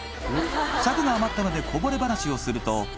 尺が余ったのでこぼれ話をすると